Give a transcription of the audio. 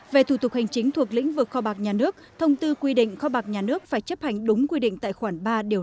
về thủ tục hành chính thuộc lĩnh vực kho bạc nhà nước thông tư quy định kho bạc nhà nước phải chấp hành đúng quy định tại khoản ba điều